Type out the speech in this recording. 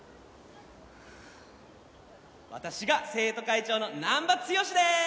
私が生徒会長の難破剛です！